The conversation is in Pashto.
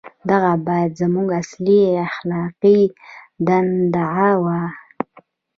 • دغه باید زموږ اصلي اخلاقي دغدغه وای.